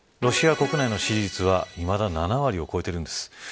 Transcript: ロシア国内の支持率はいまだ７割を超えているんです。